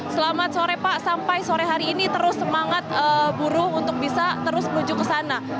selamat sore pak sampai sore hari ini terus semangat buruh untuk bisa terus menuju ke sana